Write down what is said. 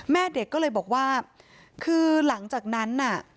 แม่เด็กก็เลยบอกว่าคือหลังจากนั้นน่ะ